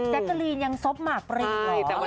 แจ๊กาลีนยังซบมากเลยหรอ